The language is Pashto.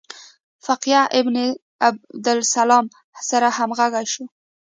فقیه ابن عبدالسلام سره همغږي شو.